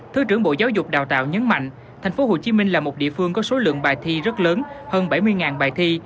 thứ trưởng bộ giáo dục đào tạo nhấn mạnh tp hcm là một địa phương có số lượng bài thi rất lớn hơn bảy mươi bài thi